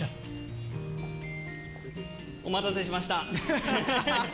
お待たせしました。